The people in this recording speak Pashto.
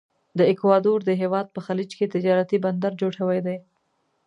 د اکوادور د هیواد په خلیج کې تجارتي بندر جوړ شوی دی.